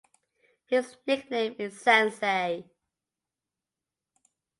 His nickname is "Sensei".